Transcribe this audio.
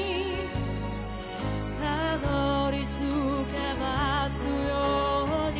たどり着けますように